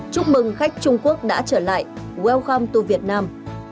chúc mừng khách trung quốc đã trở lại welcome to vietnam